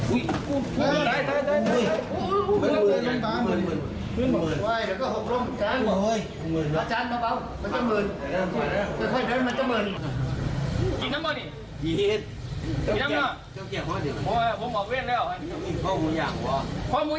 อุ้ยอุ้ยอุ้ยอุ้ยอุ้ยอุ้ยอุ้ยอุ้ยอุ้ยอุ้ยอุ้ยอุ้ยอุ้ยอุ้ยอุ้ยอุ้ย